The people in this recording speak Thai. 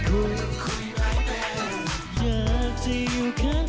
คุยไปเป็นอยากจะอยู่ข้างใน